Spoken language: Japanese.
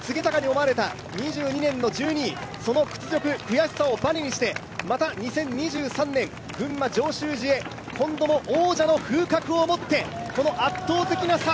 思われた２２年の１２位、その屈辱、悔しさをバネにしてまた２０２３年、群馬・上州路へ、今度も王者の風格をもってこの、圧倒的な差。